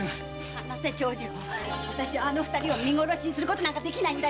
放せ長次郎あの二人を見殺しにすることなんかできないよ！